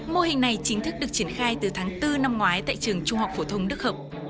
mô hình này chính thức được triển khai từ tháng bốn năm ngoái tại trường trung học phổ thông đức hợp